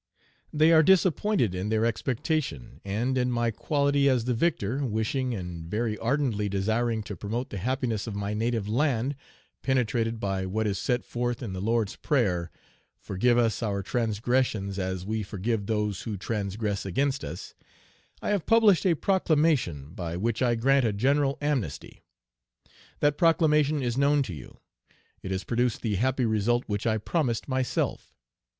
They are disappointed in their expectation; and in my quality as the victor, wishing and very ardently desiring to promote the happiness of my native land, penetrated by what is set forth in the Lord's Prayer, 'Forgive us our transgressions as we forgive those who transgress against us,' I have published a proclamation by which I grant a general amnesty. That proclamation is known to you. It has produced the happy result which I promised myself.